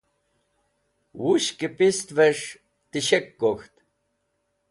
Wushkẽ pistvẽs̃h tẽshek gok̃ht.